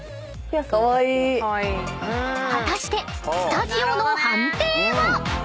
［果たしてスタジオの判定は？］